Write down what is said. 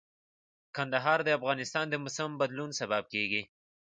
کندهار د افغانستان د موسم د بدلون سبب کېږي.